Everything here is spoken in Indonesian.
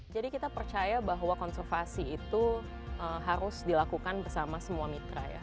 jadi kita percaya bahwa konservasi itu harus dilakukan bersama semua mitra ya